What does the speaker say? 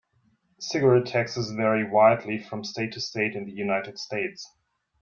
Cigarette taxes vary widely from state to state in the United States.